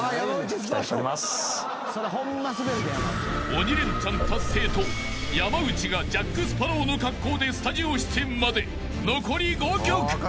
［鬼レンチャン達成と山内がジャック・スパロウの格好でスタジオ出演まで残り５曲］